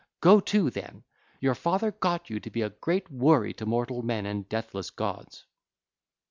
Go to, then; your father got you to be a great worry to mortal men and deathless gods.